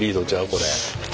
これ。